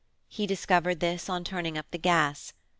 He discovered this on turning up the gas.